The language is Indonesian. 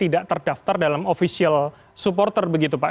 tidak terdaftar dalam official supporter begitu pak